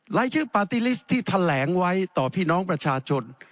รายชื่อปาร์ตี้ลิสต์ที่แถลงไว้ต่อพี่น้องประชาชน